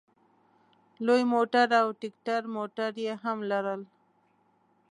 لوی موټر او ټیکټر موټر یې هم لرل.